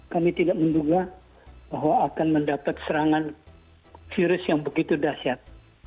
kami tidak menduga bahwa akan mendapat serangan virus yang begitu dahsyat